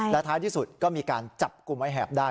และท้ายที่สุดก็มีการจับกลุ่มไอ้แหบได้